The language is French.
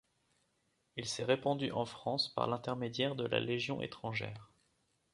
Il s'est répandu en France par l'intermédiaire de la Légion étrangère.